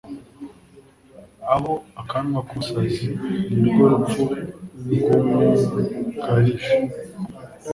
naho akanwa k’umusazi ni rwo rupfu rumwugarije